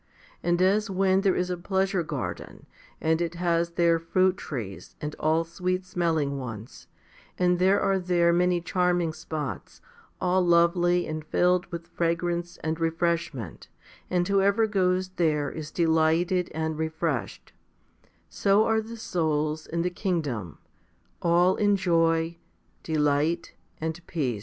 And as when there is a pleasure garden, and it has there fruit trees, and all sweet smelling ones, and there are there many charming spots, all lovely and filled with fragrance and refreshment, and whoever goes there is delighted and refreshed ; so are the souls in the kingdom, all in joy, delight, and peace.